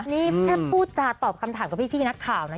นี่แค่พูดจาตอบคำถามกับพี่นักข่าวนะ